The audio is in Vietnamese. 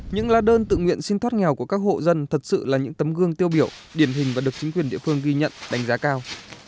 những lá đơn tự nguyện xin thoát nghèo của các hộ dân thật sự là những tấm gương tiêu biểu điển hình và được chính quyền địa phương ghi nhận đánh giá cao